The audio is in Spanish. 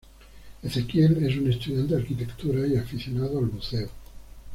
Ezequiel es un estudiante de arquitectura y aficionado al buceo.